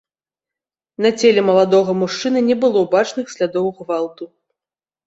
На целе маладога мужчыны не было бачных слядоў гвалту.